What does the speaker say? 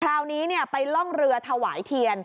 คราวนี้ไปล่องเรือถวายเทียน